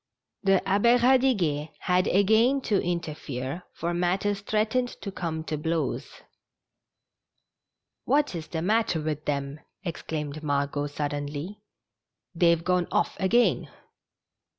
The Abbe Eadiguet had again to interfere, for matters threatened to come to blows. "What is the matter with them ?" exclaimed Margot^ suddenly. " They've gone off again."